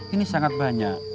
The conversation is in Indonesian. ini sangat banyak